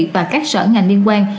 và các sở ngành liên quan